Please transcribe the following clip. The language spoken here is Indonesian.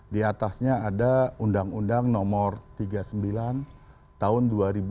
di atasnya ada undang undang nomor tiga puluh sembilan tahun dua ribu dua